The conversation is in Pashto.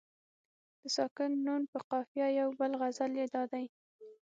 د ساکن نون په قافیه یو بل غزل یې دادی.